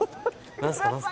何すか？